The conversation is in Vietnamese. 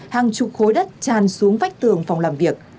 hàng chục khối đất tràn xuống vách tường phòng làm việc